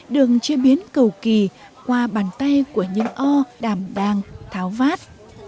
được chế biến cầu kỳ qua bàn tay của nhân o đàm đàng tháo vát